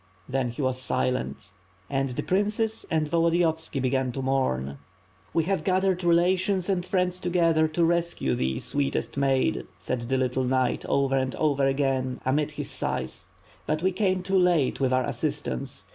Then he was silent. And the princes and Volodiyovski began to mourn. "We have gathered relations and friends together to rescue thee, sweetest maid," said the little knight, over and over again, amid his sighs; "but we came too late with our assist ance.